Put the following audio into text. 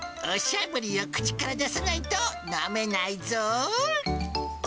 おしゃぶりを口から出さないと、飲めないぞ。